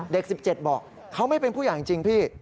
เด็ก๑๗บอกเขาไม่เป็นผู้ใหญ่จริงพี่